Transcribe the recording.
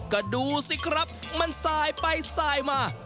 ก็ดูสิครับมันสายไปสายมา